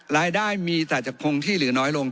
รายได้มีแต่จะคงที่หรือน้อยลง